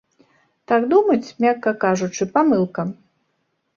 Так думаць, мякка кажучы, памылка.